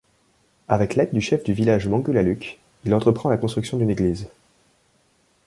Avec l'aide du chef du village, Mangulaluk, il entreprend la construction d'une église.